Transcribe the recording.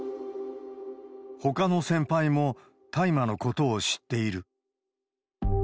ほかの先輩も大麻のことを知っている。